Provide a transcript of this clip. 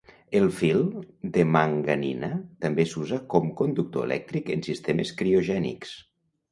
El fil de manganina també s'usa con conductor elèctric en sistemes criogènics.